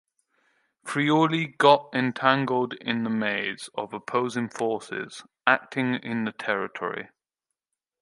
Friuli got entangled in the maze of opposing forces acting in the territory.